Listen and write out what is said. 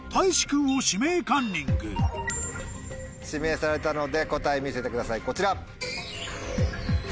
君を「指名カンニング」指名されたので答え見せてくださいこちら。